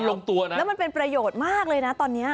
แล้วมันเป็นประโยชน์มากเลยนะตอนนี้